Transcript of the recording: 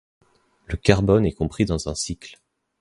Le carbone est compris dans un cycle.